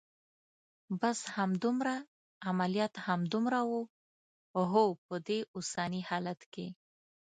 بس همدومره؟ عملیات همدومره و؟ هو، په دې اوسني حالت کې.